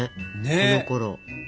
このころ。